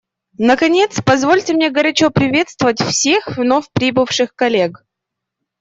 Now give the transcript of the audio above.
Наконец, позвольте мне горячо приветствовать всех вновь прибывших коллег.